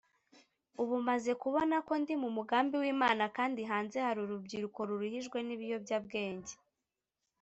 "Ubu maze kubona ko ndi mu mugambi w’Imana kandi hanze hari urubyiruko ruruhijwe n'ibiyobyabwenge